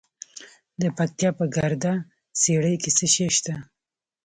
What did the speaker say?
د پکتیا په ګرده څیړۍ کې څه شی شته؟